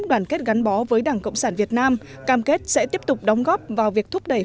đoàn kết gắn bó với đảng cộng sản việt nam cam kết sẽ tiếp tục đóng góp vào việc thúc đẩy